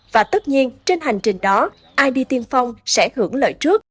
và tất nhiên trên hành trình đó id tiên phong sẽ hưởng lợi trước